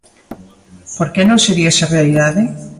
¿Por que non se di esa realidade?